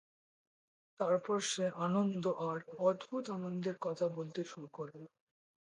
তারপর সে আনন্দ আর অদ্ভুত আনন্দের কথা বলতে শুরু করল।